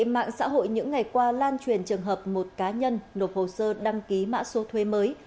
mạng xã hội những ngày qua lan truyền trường hợp một cá nhân nộp hồ sơ đăng ký mã số thuê mới